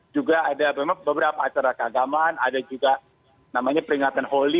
juga ada beberapa acara keagamaan ada juga namanya peringatan holi